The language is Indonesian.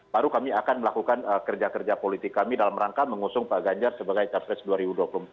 baru kami akan melakukan kerja kerja politik kami dalam rangka mengusung pak ganjar sebagai capres dua ribu dua puluh empat